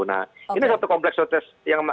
nah ini satu kompleks